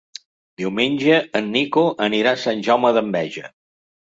Diumenge en Nico anirà a Sant Jaume d'Enveja.